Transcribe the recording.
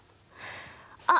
あっ！